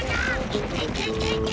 いけいけいけいけ！